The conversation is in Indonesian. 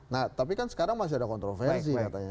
nah tapi kan sekarang masih ada kontroversi katanya